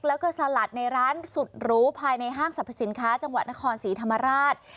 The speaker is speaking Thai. แล้วก็สลัดในร้านสุดหรูภายในห้างสรรพสินค้าจังหวัดนครศรีธรรมราช